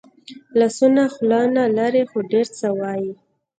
لاسونه خوله نه لري خو ډېر څه وايي